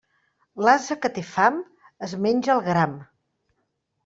L'ase que té fam es menja el gram.